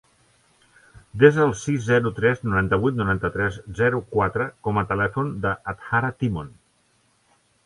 Desa el sis, zero, tres, noranta-vuit, noranta-tres, zero, quatre com a telèfon de l'Adhara Timon.